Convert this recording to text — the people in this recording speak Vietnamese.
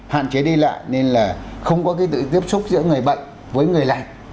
hạn chế đi lại nên là không có cái tiếp xúc giữa người bệnh với người lạnh